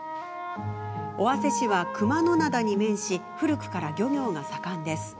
尾鷲市は熊野灘に面し古くから漁業が盛んです。